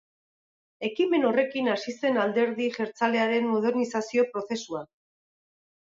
Ekimen horrekin hasi zen alderdi jeltzalearen modernizazio-prozesua.